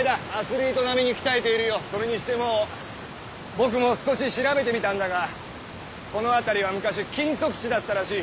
僕も少し調べてみたんだがこの辺りは昔禁足地だったらしい。